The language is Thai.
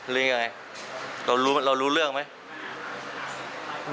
หรือยังไงเรารู้เรื่องไหม